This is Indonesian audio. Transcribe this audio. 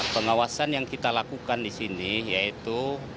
pengawasan yang kita lakukan di sini yaitu